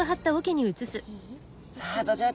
さあドジョウ